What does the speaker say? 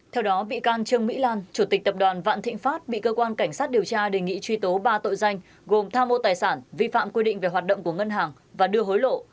theo đó bị can trương mỹ lan chủ tịch tập đoàn vạn thịnh pháp bị cơ quan cảnh sát điều tra đề nghị truy tố ba tội danh gồm tha mô tài sản vi phạm quy định về hoạt động của ngân hàng và đưa hối lộ